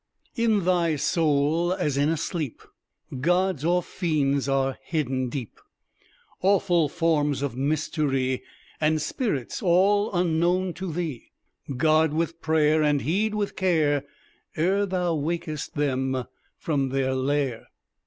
"In thy soul, as in a sleep, Gods or fiends are hidden deep, Awful forms of mystery, And spirits, all unknown to thee: Guard with prayer, and heed with care, Ere thou wak'st them from their lair!"